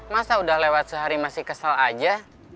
masa udah lewat sehari masih kesel aja